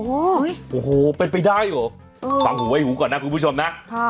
โอ้โหเป็นไปได้เหรอฟังหูไว้หูก่อนนะคุณผู้ชมนะ